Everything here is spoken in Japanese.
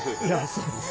そうです。